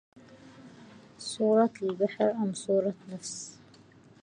صورة للبحر أم صورة نفس